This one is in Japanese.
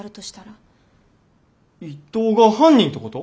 伊藤が犯人ってこと？